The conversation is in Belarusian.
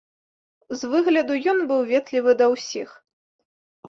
З выгляду ён быў ветлівы да ўсіх.